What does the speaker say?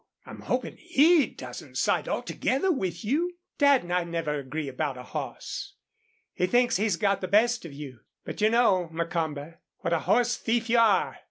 I'm hopin' he doesn't side altogether with you." "Dad and I never agree about a horse. He thinks he got the best of you. But you know, Macomber, what a horse thief you are.